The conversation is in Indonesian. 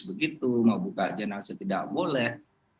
begitu mau buka jenang setidak boleh